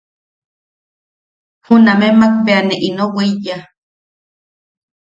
Junameʼemak bea ne ino weiya.